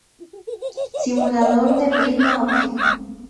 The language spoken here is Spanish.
Simulador de prisma óptico